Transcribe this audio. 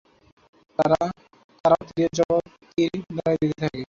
তারাও তীরের জবাব তীর দ্বারাই দিতে থাকে।